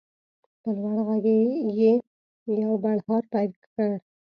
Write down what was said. په لوړ غږ یې یو بړهار پیل کړ.